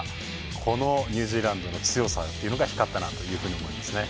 このニュージーランドの強さが光ったなと思いますね。